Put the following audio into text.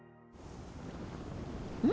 うん？